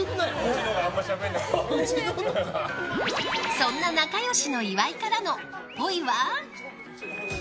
そんな仲良しの岩井からのっぽいは？